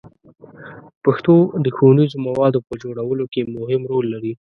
پښتو د ښوونیزو موادو په جوړولو کې مهم رول لري.